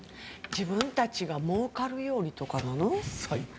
自分たちがもうかるようにとかなの？